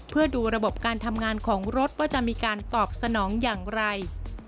เพื่อดูระบบการทำงานของรถว่าจะมีการตอบสนองอย่างไร